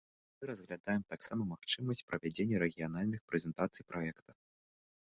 Мы разглядаем таксама магчымасць правядзення рэгіянальных прэзентацый праекта.